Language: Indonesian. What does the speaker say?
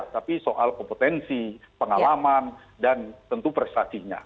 tapi soal kompetensi pengalaman dan tentu prestasinya